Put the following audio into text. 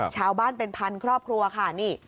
ชาวบ้านเป็นพันครอบครัวค่ะนี่